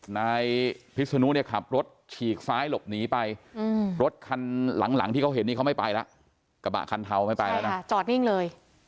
นายพิศนุเนี่ยขับรถฉีกซ้ายหลบหนีไปรถคันหลังที่เขาเห็นนี่เขาไม่ไปแล้วกระบะคันเทาไม่ไปแล้วนะจอดนิ่งเลย